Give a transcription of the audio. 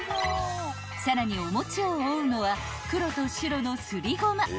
［さらにお餅を覆うのは黒と白のすり胡麻］